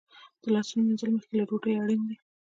د لاسونو مینځل مخکې له ډوډۍ اړین دي.